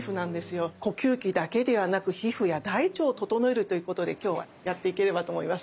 呼吸器だけではなく皮膚や大腸をととのえるということで今日はやっていければと思います。